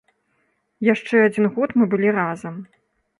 Яшчэ адзін год мы былі разам.